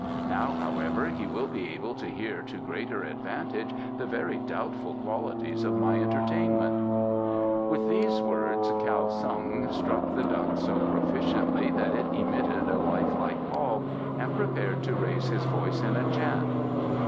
Now, however, he will be able to hear to greater advantage the very doubtful qualities of my entertainment." With these words Kiau Sun struck the duck so proficiently that it emitted a life like call, and prepared to raise his voice in a chant.